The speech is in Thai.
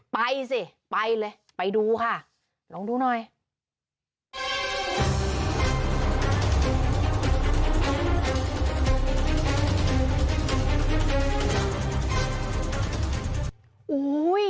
ไปสิไปเลยไปดูค่ะลองดูหน่อย